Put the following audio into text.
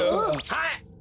はい。